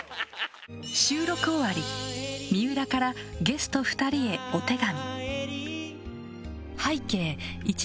収録終わり、水卜からゲスト２人へお手紙。